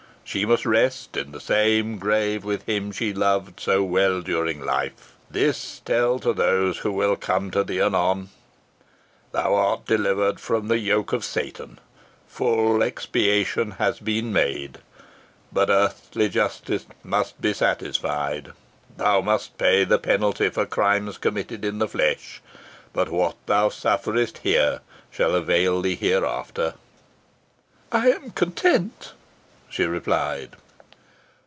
She must rest in the same grave with him she loved so well during life. This tell to those who will come to thee anon. Thou art delivered from the yoke of Satan. Full expiation has been made. But earthly justice must be satisfied. Thou must pay the penalty for crimes committed in the flesh, but what thou sufferest here shall avail thee hereafter." "I am content," she replied.